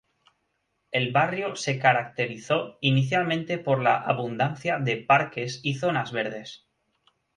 El barrio se caracterizó inicialmente por la abundancia de parques y zonas verdes.